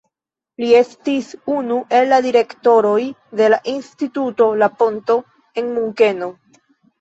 Li estis unu el la direktoroj de la Instituto La Ponto en Munkeno.